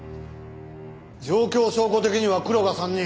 状況証拠的にはクロが３人。